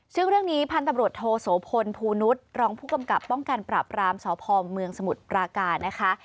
ซึ่งเรื่องนี้พันธุ์ตำรวจโทโสพลภูนุษย์รองผู้กำกับป้องกันปราบรามสพเมืองสมุทรปราการนะคะ